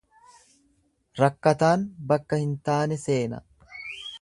Rakkataan bakka hin taane seena.